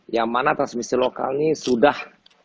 yang mana transmisi lokal ini sudah